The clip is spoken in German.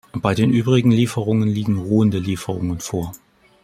Bei den übrigen Lieferungen liegen ruhende Lieferungen vor.